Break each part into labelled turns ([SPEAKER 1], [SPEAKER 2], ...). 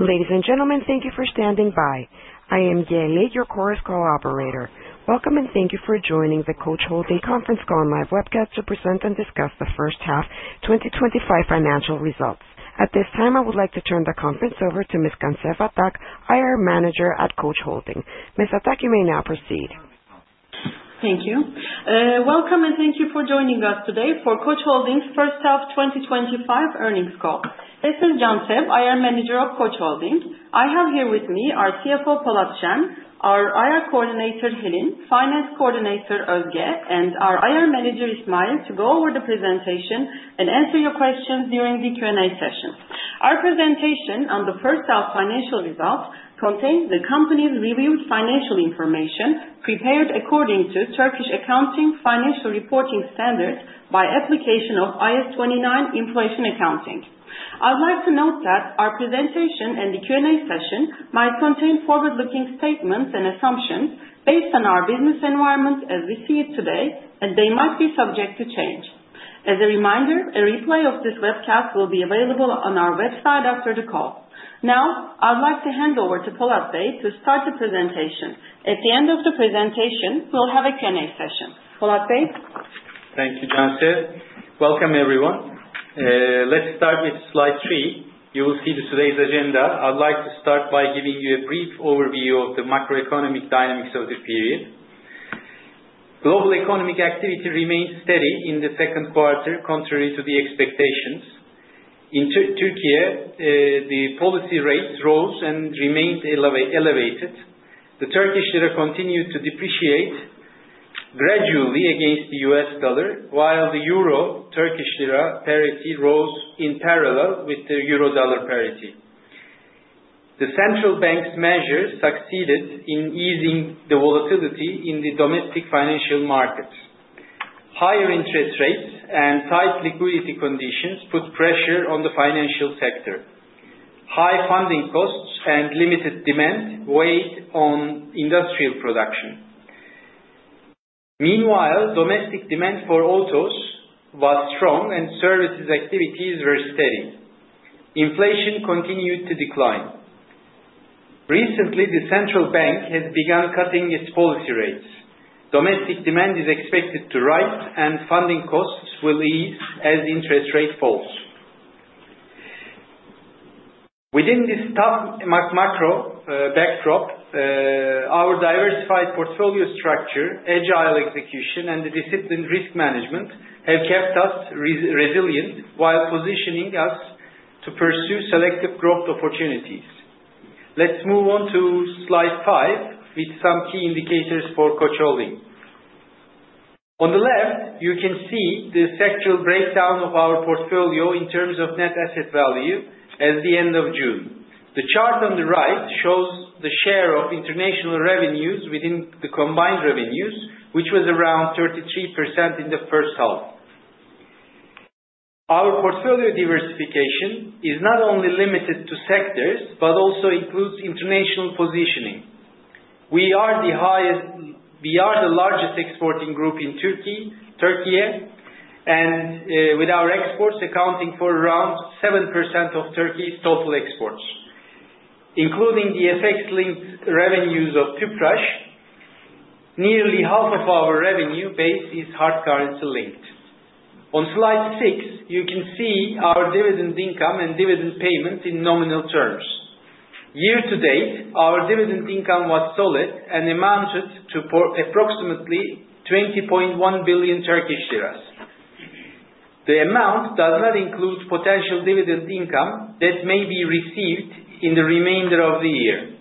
[SPEAKER 1] Ladies and gentlemen, thank you for standing by. I am Gayle, your Chorus Call operator. Welcome and thank you for joining the Koç Holding Chorus Call online webcast to present and discuss the first half 2025 financial results. At this time, I would like to turn the conference over to Ms. Cansel Atak, IR Manager at Koç Holding. Ms. Atak, you may now proceed.
[SPEAKER 2] Thank you. Welcome and thank you for joining us today for Koç Holding's first half 2025 earnings call. This is Cansel Atak, IR Manager of Koç Holding. I have here with me our CFO, Polat Şen, our IR Coordinator, Helin Avşar, Finance Coordinator, Özge Sözer, and our IR Manager, İsmail Özen, to go over the presentation and answer your questions during the Q&A session. Our presentation on the first half financial results contains the company's reviewed financial information prepared according to Turkish accounting financial reporting standards by application of IAS 29 Inflation Accounting. I would like to note that our presentation and the Q&A session might contain forward-looking statements and assumptions based on our business environment as we see it today, and they might be subject to change. As a reminder, a replay of this webcast will be available on our website after the call. Now, I would like to hand over to Polat Şen to start the presentation. At the end of the presentation, we'll have a Q&A session. Polat Şen?
[SPEAKER 3] Thank you, Cansel. Welcome, everyone. Let's start with slide three. You will see today's agenda. I would like to start by giving you a brief overview of the macroeconomic dynamics of the period. Global economic activity remained steady in the second quarter, contrary to the expectations. In Türkiye, the policy rate rose and remained elevated. The Turkish lira continued to depreciate gradually against the U.S. dollar, while the Euro/Turkish lira parity rose in parallel with the Euro/Dollar parity. The central bank's measures succeeded in easing the volatility in the domestic financial markets. Higher interest rates and tight liquidity conditions put pressure on the financial sector. High funding costs and limited demand weighed on industrial production. Meanwhile, domestic demand for autos was strong, and services activities were steady. Inflation continued to decline. Recently, the central bank has begun cutting its policy rates. Domestic demand is expected to rise, and funding costs will ease as interest rates fall. Within this tough macro backdrop, our diversified portfolio structure, agile execution, and the disciplined risk management have kept us resilient while positioning us to pursue selective growth opportunities. Let's move on to slide five with some key indicators for Koç Holding. On the left, you can see the sectoral breakdown of our portfolio in terms of net asset value at the end of June. The chart on the right shows the share of international revenues within the combined revenues, which was around 33% in the first half. Our portfolio diversification is not only limited to sectors but also includes international positioning. We are the largest exporting group in Türkiye, and with our exports accounting for around 7% of Turkey's total exports. Including the FX-linked revenues of Tüpraş, nearly half of our revenue base is hard currency-linked. On slide six, you can see our dividend income and dividend payment in nominal terms. Year to date, our dividend income was solid and amounted to approximately 20.1 billion Turkish lira. The amount does not include potential dividend income that may be received in the remainder of the year.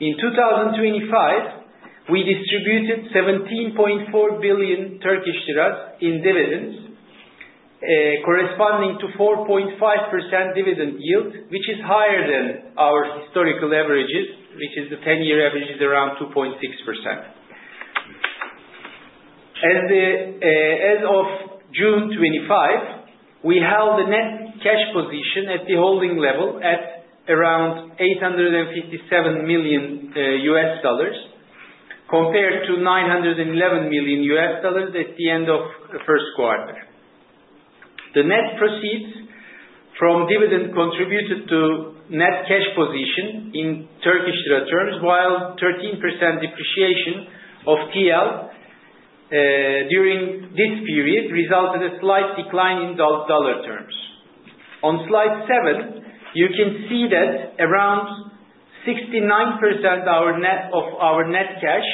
[SPEAKER 3] In 2025, we distributed 17.4 billion TRY in dividends, corresponding to 4.5% dividend yield, which is higher than our historical averages, which is the 10-year average is around 2.6%. As of June 2025, we held a net cash position at the holding level at around $857 million, compared to $911 million at the end of the first quarter. The net proceeds from dividend contributed to net cash position in Turkish lira terms, while 13% depreciation of TL during this period resulted in a slight decline in dollar terms. On slide seven, you can see that around 69% of our net cash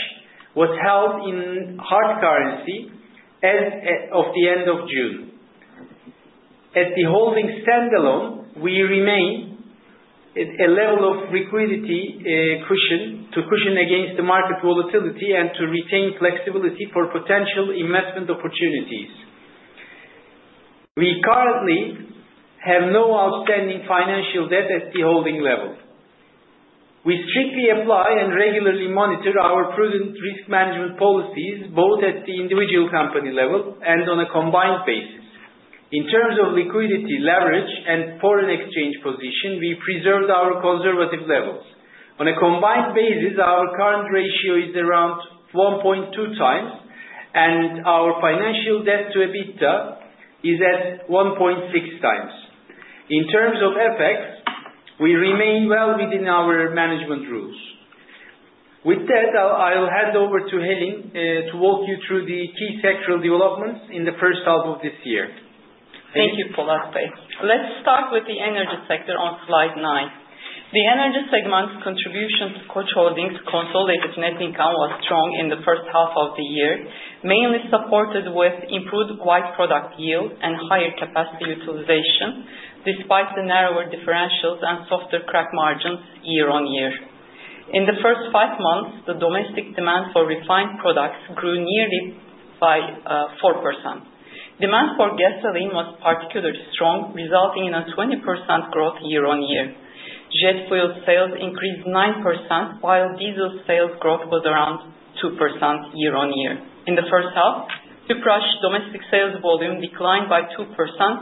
[SPEAKER 3] was held in hard currency as of the end of June. At the holding standalone, we remain at a level of liquidity cushion to cushion against the market volatility and to retain flexibility for potential investment opportunities. We currently have no outstanding financial debt at the holding level. We strictly apply and regularly monitor our prudent risk management policies both at the individual company level and on a combined basis. In terms of liquidity, leverage, and foreign exchange position, we preserved our conservative levels. On a combined basis, our current ratio is around 1.2x, and our financial debt to EBITDA is at 1.6x. In terms of FX, we remain well within our management rules. With that, I'll hand over to Helin to walk you through the key sectoral developments in the first half of this year.
[SPEAKER 4] Thank you, Polat Şen. Let's start with the energy sector on slide nine. The energy segment contribution to Koç Holding's consolidated net income was strong in the first half of the year, mainly supported with improved white product yield and higher capacity utilization, despite the narrower differentials and softer crack margins year on year. In the first five months, the domestic demand for refined products grew nearly by 4%. Demand for gasoline was particularly strong, resulting in a 20% growth year on year. Jet fuel sales increased 9%, while diesel sales growth was around 2% year on year. In the first half, Tüpraş's domestic sales volume declined by 2%,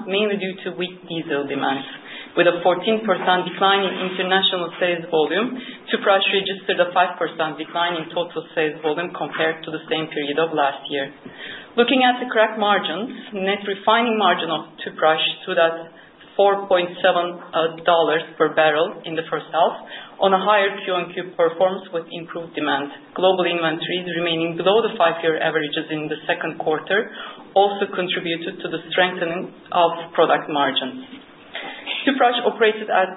[SPEAKER 4] mainly due to weak diesel demand. With a 14% decline in international sales volume, Tüpraş registered a 5% decline in total sales volume compared to the same period of last year. Looking at the crack margins, net refining margin of Tüpraş stood at $4.7 per barrel in the first half, on a higher QoQ performance with improved demand. Global inventories remaining below the five-year averages in the second quarter also contributed to the strengthening of product margins. Tüpraş operated at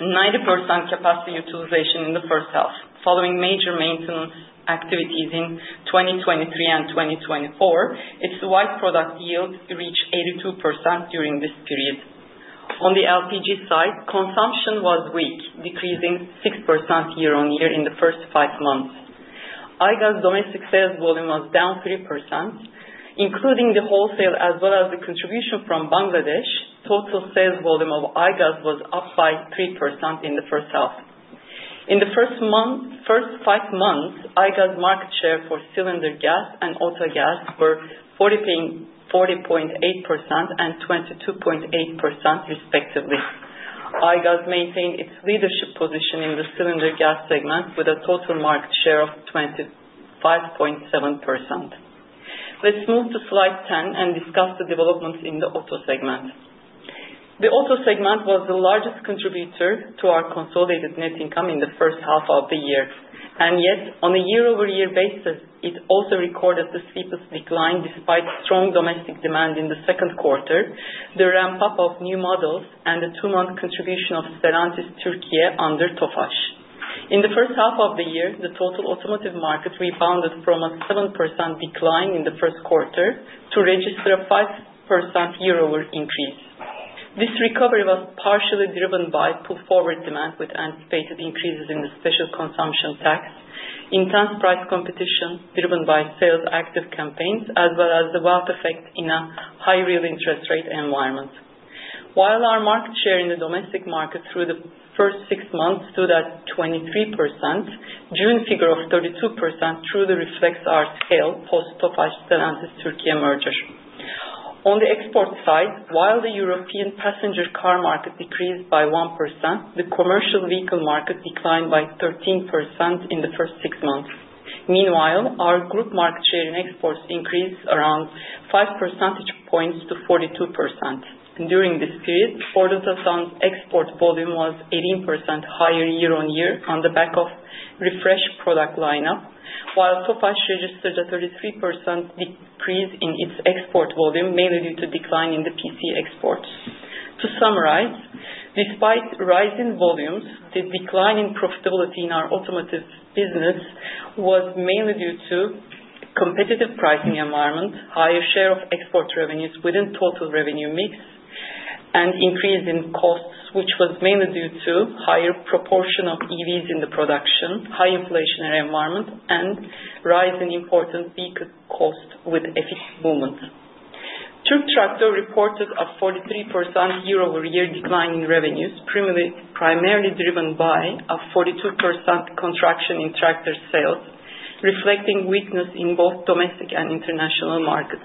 [SPEAKER 4] 90% capacity utilization in the first half, following major maintenance activities in 2023 and 2024. Its white product yield reached 82% during this period. On the LPG side, consumption was weak, decreasing 6% year on year in the first five months. Aygaz's domestic sales volume was down 3%. Including the wholesale as well as the contribution from Bangladesh, total sales volume of Aygaz was up by 3% in the first half. In the first five months, Aygaz's market share for cylinder gas and auto gas were 40.8% and 22.8%, respectively. Aygaz maintained its leadership position in the cylinder gas segment with a total market share of 25.7%. Let's move to slide 10 and discuss the developments in the auto segment. The auto segment was the largest contributor to our consolidated net income in the first half of the year, and yet, on a year-over-year basis, it also recorded the steepest decline despite strong domestic demand in the second quarter, the ramp-up of new models, and the two-month contribution of Stellantis Türkiye under Tofaş. In the first half of the year, the total automotive market rebounded from a 7% decline in the first quarter to register a 5% year-over-year increase. This recovery was partially driven by pull-forward demand with anticipated increases in the special consumption tax, intense price competition driven by sales active campaigns, as well as the wealth effect in a high real interest rate environment. While our market share in the domestic market through the first six months stood at 23%, June figure of 32% truly reflects our sale post-Tofaş-Stellantis Türkiye merger. On the export side, while the European passenger car market decreased by 1%, the commercial vehicle market declined by 13% in the first six months. Meanwhile, our group market share in exports increased around 5 percentage points to 42%. During this period, Ford Otosan's export volume was 18% higher year on year on the back of refreshed product lineup, while Tofaş registered a 33% decrease in its export volume, mainly due to a decline in the PC exports. To summarize, despite rising volumes, the decline in profitability in our automotive business was mainly due to a competitive pricing environment, a higher share of export revenues within total revenue mix, and an increase in costs, which was mainly due to a higher proportion of EVs in production, a high inflationary environment, and rising imported vehicle costs with FX movements. TürkTraktör reported a 43% year-over-year decline in revenues, primarily driven by a 42% contraction in tractor sales, reflecting weakness in both domestic and international markets.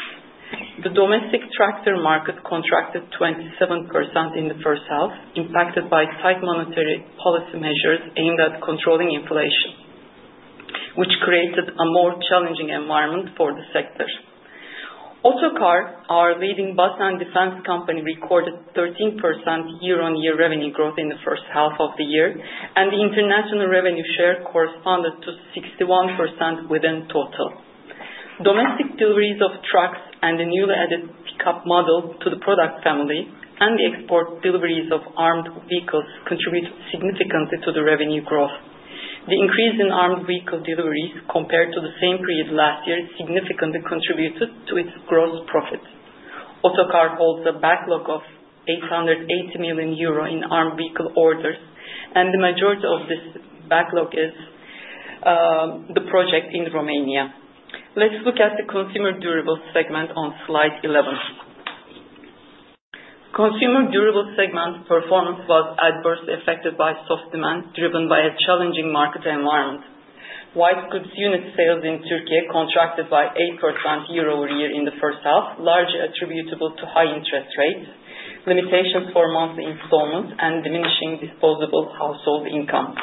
[SPEAKER 4] The domestic tractor market contracted 27% in the first half, impacted by tight monetary policy measures aimed at controlling inflation, which created a more challenging environment for the sector. Otokar, our leading bus and defense company, recorded 13% year-over-year revenue growth in the first half of the year, and the international revenue share corresponded to 61% within total. Domestic deliveries of trucks and the newly added pickup model to the product family, and the export deliveries of armed vehicles, contributed significantly to the revenue growth. The increase in armed vehicle deliveries compared to the same period last year significantly contributed to its gross profits. Otokar holds a backlog of 880 million euro in armed vehicle orders, and the majority of this backlog is the project in Romania. Let's look at the consumer durable segment on slide 11. Consumer durable segment performance was adversely affected by soft demand driven by a challenging market environment. White goods unit sales in Türkiye contracted by 8% year-over-year in the first half, largely attributable to high interest rates, limitations for monthly installments, and diminishing disposable household income.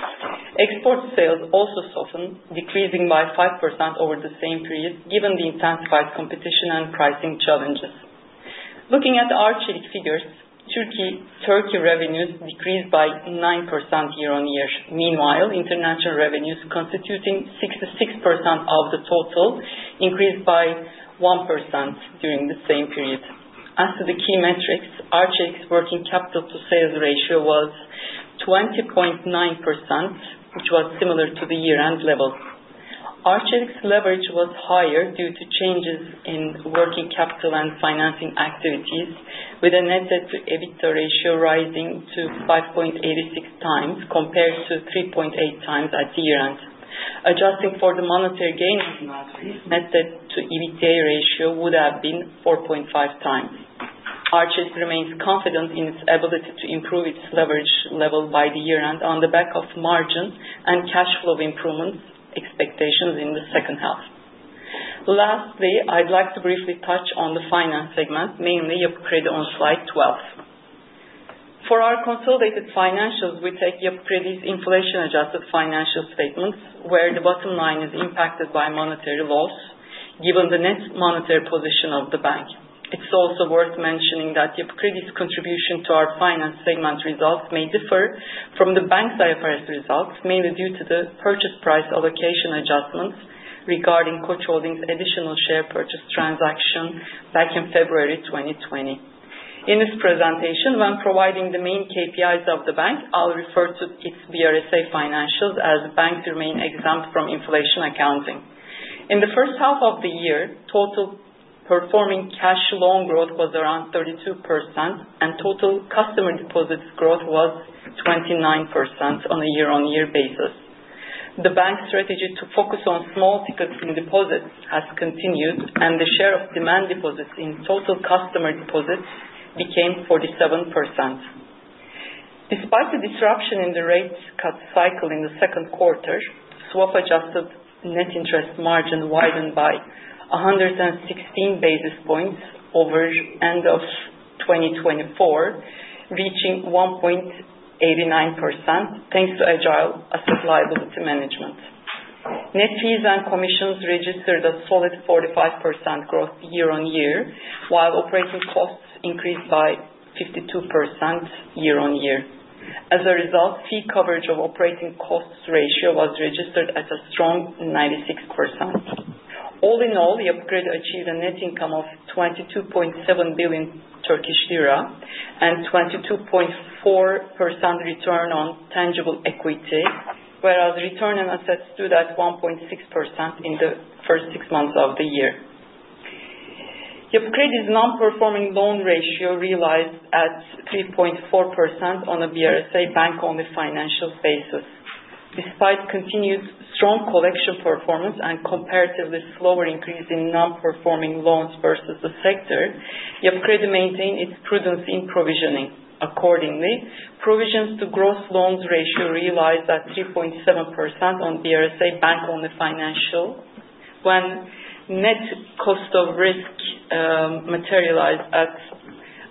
[SPEAKER 4] Export sales also softened, decreasing by 5% over the same period, given the intensified competition and pricing challenges. Looking at our Arçelik figures, Türkiye revenues decreased by 9% year-on-year. Meanwhile, international revenues constituting 66% of the total increased by 1% during the same period. As to the key metrics, Arçelik's working capital to sales ratio was 20.9%, which was similar to the year-end level. Arçelik's leverage was higher due to changes in working capital and financing activities, with a net debt-to-EBITDA ratio rising to 5.86x compared to 3.8x at year-end. Adjusting for the monetary gains, net debt-to-EBITDA ratio would have been 4.5x. Arçelik remains confident in its ability to improve its leverage level by the year-end on the back of margin and cash flow improvement expectations in the second half. Lastly, I'd like to briefly touch on the finance segment, mainly Yapı Kredi on slide 12. For our consolidated financials, we take Yapı Kredi's inflation-adjusted financial statements, where the bottom line is impacted by monetary loss, given the net monetary position of the bank. It's also worth mentioning that Yapı Kredi's contribution to our finance segment results may differ from the bank's IFRS results, mainly due to the purchase price allocation adjustments regarding Koç Holding's additional share purchase transaction back in February 2020. In this presentation, when providing the main KPIs of the bank, I'll refer to its BRSA financials as banks remain exempt from inflation accounting. In the first half of the year, total performing cash loan growth was around 32%, and total customer deposits growth was 29% on a year-on-year basis. The bank's strategy to focus on small tickets in deposits has continued, and the share of demand deposits in total customer deposits became 47%. Despite the disruption in the rate cut cycle in the second quarter, swap-adjusted net interest margin widened by 116 basis points over the end of 2024, reaching 1.89%, thanks to agile asset liability management. Net fees and commissions registered a solid 45% growth year-on-year, while operating costs increased by 52% year-on-year. As a result, fee coverage of operating costs ratio was registered at a strong 96%. All in all, Yapı Kredi achieved a net income of 22.7 billion Turkish lira and 22.4% return on tangible equity, whereas return on assets stood at 1.6% in the first six months of the year. Yapı Kredi's non-performing loan ratio realized at 3.4% on a BRSA bank-only financial basis. Despite continued strong collection performance and comparatively slower increase in non-performing loans versus the sector, Yapı Kredi maintained its prudence in provisioning. Accordingly, provisions to gross loans ratio realized at 3.7% on BRSA bank-only financial, when net cost of risk materialized at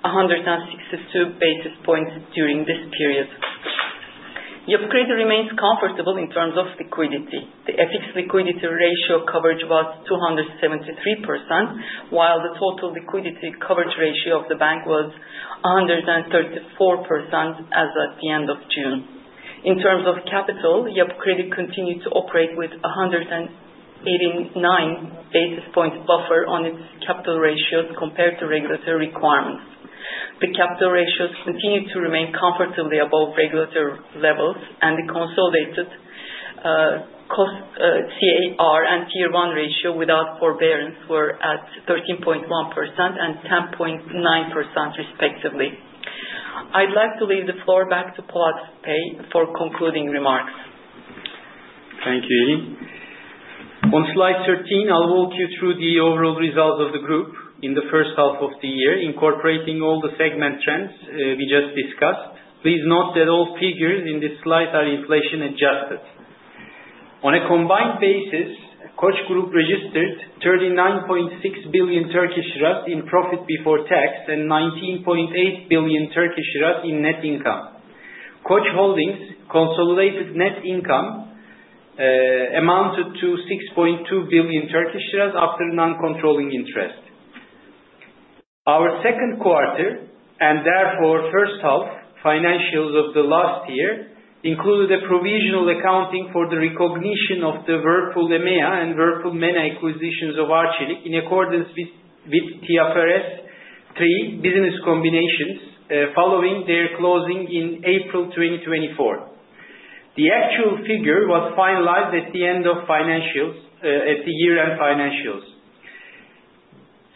[SPEAKER 4] 162 basis points during this period. Yapı Kredi remains comfortable in terms of liquidity. The FX liquidity ratio coverage was 273%, while the total liquidity coverage ratio of the bank was 134% as at the end of June. In terms of capital, Yapı Kredi continued to operate with a 189 basis point buffer on its capital ratios compared to regulatory requirements. The capital ratios continued to remain comfortably above regulatory levels, and the consolidated CAR and Tier 1 ratio without forbearance were at 13.1% and 10.9%, respectively. I'd like to leave the floor back to Polat Şen for concluding remarks.
[SPEAKER 3] Thank you, Helin. On slide 13, I'll walk you through the overall results of the group in the first half of the year, incorporating all the segment trends we just discussed. Please note that all figures in this slide are inflation-adjusted. On a combined basis, Koç Group registered 39.6 billion in profit before tax and 19.8 billion in net income. Koç Holding's consolidated net income amounted to 6.2 billion after non-controlling interest. Our second quarter, and therefore first half, financials of the last year included a provisional accounting for the recognition of the Whirlpool EMEA and Whirlpool MENA acquisitions of Arçelik in accordance with TFRS 3 business combinations following their closing in April 2024. The actual figure was finalized at the end of the year-end financials.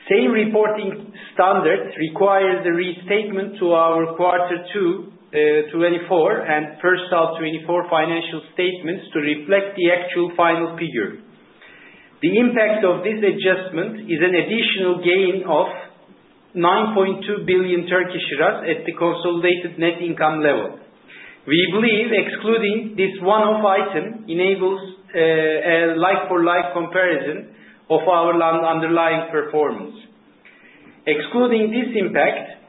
[SPEAKER 3] Same reporting standards require the restatement to our quarter 2, 2024, and first half 2024 financial statements to reflect the actual final figure. The impact of this adjustment is an additional gain of 9.2 billion at the consolidated net income level. We believe excluding this one-off item enables a like-for-like comparison of our underlying performance. Excluding this impact,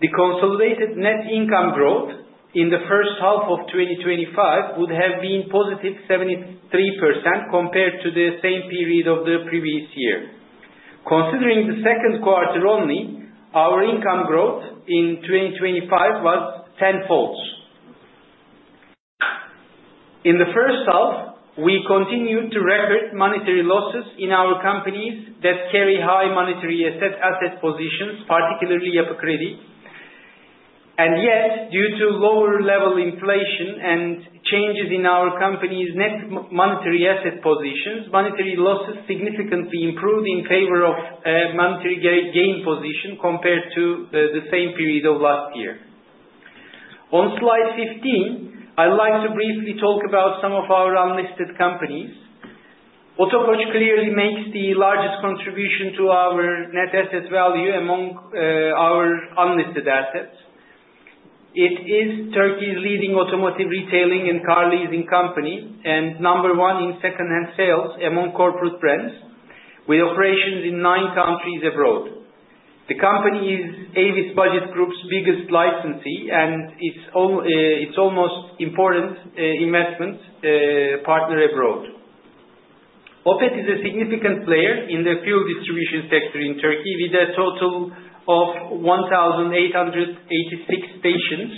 [SPEAKER 3] the consolidated net income growth in the first half of 2025 would have been positive 73% compared to the same period of the previous year. Considering the second quarter only, our income growth in 2025 was tenfold. In the first half, we continued to record monetary losses in our companies that carry high monetary asset positions, particularly Yapı Kredi. And yet, due to lower-level inflation and changes in our company's net monetary asset positions, monetary losses significantly improved in favor of monetary gain position compared to the same period of last year. On slide 15, I'd like to briefly talk about some of our unlisted companies. Otokoç clearly makes the largest contribution to our net asset value among our unlisted assets. It is Turkey's leading automotive retailing and car leasing company and number one in second-hand sales among corporate brands, with operations in nine countries abroad. The company is Avis Budget Group's biggest licensee and its most important investment partner abroad. Opet is a significant player in the fuel distribution sector in Turkey with a total of 1,886 stations.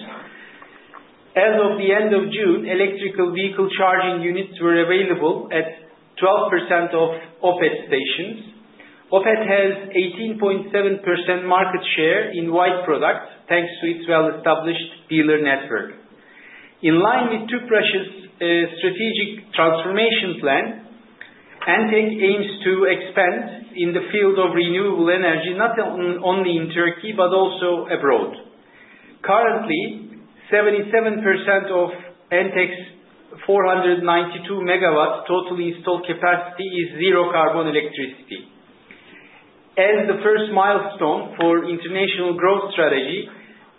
[SPEAKER 3] As of the end of June, electric vehicle charging units were available at 12% of Opet stations. Opet has 18.7% market share in white products, thanks to its well-established dealer network. In line with the Group's strategic transformation plan, Entek aims to expand in the field of renewable energy not only in Turkey but also abroad. Currently, 77% of Entek's 492 MW total installed capacity is zero-carbon electricity. As the first milestone for international growth strategy,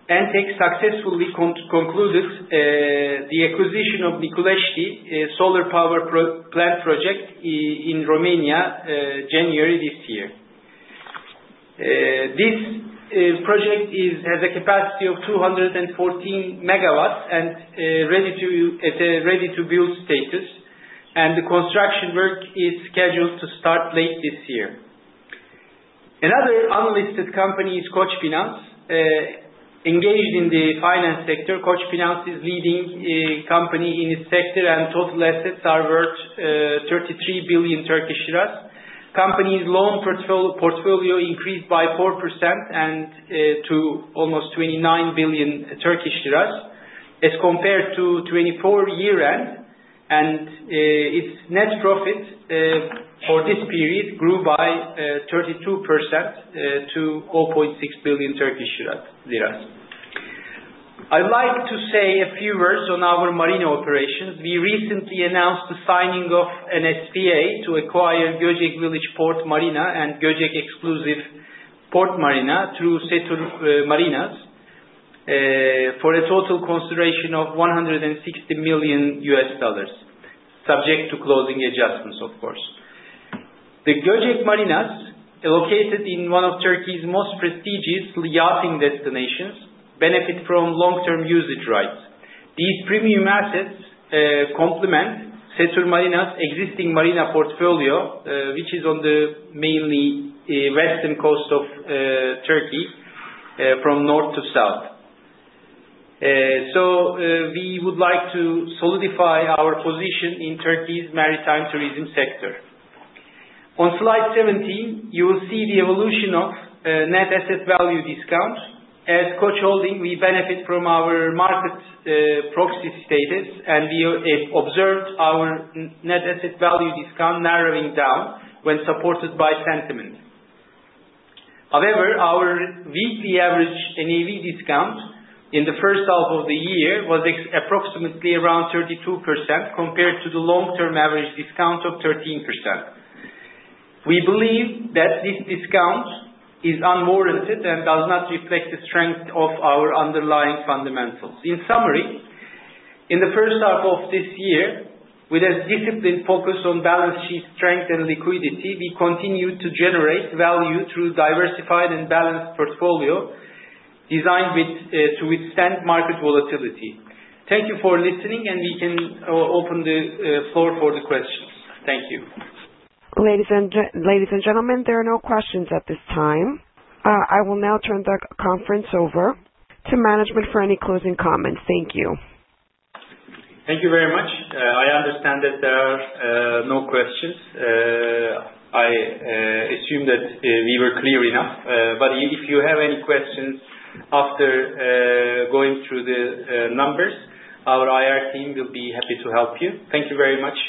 [SPEAKER 3] Entek successfully concluded the acquisition of Nicolești Solar Power Plant project in Romania in January this year. This project has a capacity of 214 MW and is ready to build status, and the construction work is scheduled to start late this year. Another unlisted company is Koçfinans. Engaged in the finance sector, Koçfinans is a leading company in its sector, and total assets are worth 33 billion Turkish lira. The company's loan portfolio increased by 4% to almost 29 billion Turkish lira as compared to 2024 year-end, and its net profit for this period grew by 32% to 0.6 billion Turkish lira. I'd like to say a few words on our marina operations. We recently announced the signing of an SPA to acquire Göcek Village Port Marina and Göcek Exclusive Port Marina through Setur Marinas for a total consideration of $160 million, subject to closing adjustments, of course. The Göcek Marinas, located in one of Turkey's most prestigious yachting destinations, benefit from long-term usage rights. These premium assets complement Setur Marinas's existing marina portfolio, which is on the mainly western coast of Turkey from north to south. So we would like to solidify our position in Turkey's maritime tourism sector. On Slide 17, you will see the evolution of net asset value discounts. As Koç Holding, we benefit from our market proxy status, and we observed our net asset value discount narrowing down when supported by sentiment. However, our weekly average NAV discount in the first half of the year was approximately around 32% compared to the long-term average discount of 13%. We believe that this discount is unwarranted and does not reflect the strength of our underlying fundamentals. In summary, in the first half of this year, with a disciplined focus on balance sheet strength and liquidity, we continued to generate value through a diversified and balanced portfolio designed to withstand market volatility. Thank you for listening, and we can open the floor for the questions. Thank you.
[SPEAKER 1] Ladies and gentlemen, there are no questions at this time. I will now turn the conference over to management for any closing comments. Thank you.
[SPEAKER 3] Thank you very much. I understand that there are no questions. I assume that we were clear enough, but if you have any questions after going through the numbers, our IR team will be happy to help you. Thank you very much.